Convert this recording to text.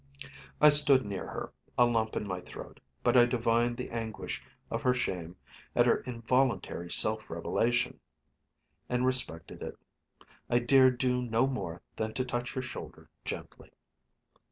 I stood near her, a lump in my throat, but I divined the anguish of her shame at her involuntary self revelation, and respected it. I dared do no more than to touch her shoulder gently.